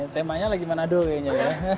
temanya lagi menado kayaknya